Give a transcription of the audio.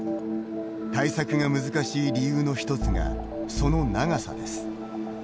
対策が難しい理由の１つがその長さです。